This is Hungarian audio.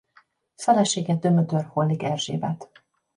Felesége Dömötör-Hollik Erzsébet.